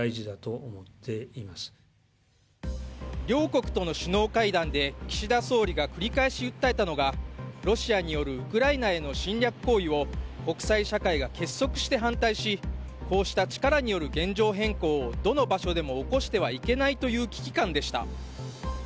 両国との首脳会談で岸田総理が繰り返し訴えたのがロシアによるウクライナへの侵略行為を国際社会が結束して反対し、こうした力による現状変更をどの場所でも起こしてはいけないという危機感でした。